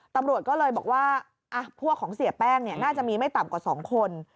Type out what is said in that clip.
ตำรวจก็เลยบอกว่าพวกของเสียแป้งน่าจะมีไม่ต่ำกว่า๒คน